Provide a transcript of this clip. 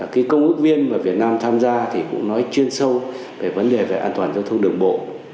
cái công ước viên mà việt nam tham gia thì cũng nói chuyên sâu về vấn đề về an toàn giao thông đường bộ